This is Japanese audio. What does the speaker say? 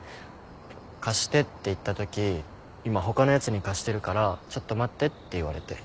貸してって言ったとき今他のやつに貸してるからちょっと待ってって言われて。